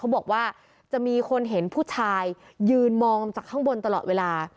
บอกว่าจะมีคนเห็นผู้ชายยืนมองจากข้างบนตลอดเวลา